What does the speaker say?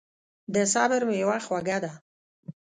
د صبر میوه خوږه ده.